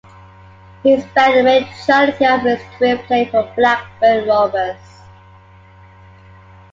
He spent the majority of his career playing for Blackburn Rovers.